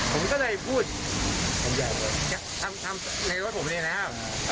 กระจกรดออกมา